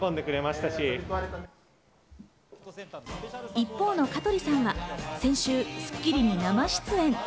一方の香取さんは先週『スッキリ』に生出演。